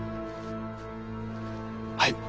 はい。